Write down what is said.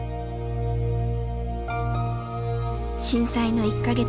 震災の１か月後。